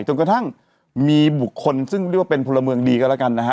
จนกระทั่งมีบุคคลซึ่งเรียกว่าเป็นพลเมืองดีก็แล้วกันนะฮะ